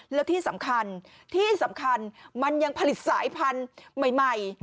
แล้วที่สำคัญที่สำคัญมันยังผลิตสายพันธุ์ใหม่